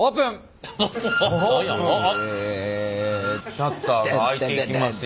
シャッターが開いていきますよ。